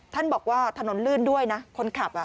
ท่านบอกว่าถนนลื่นด้วยนะคนขับอ่ะ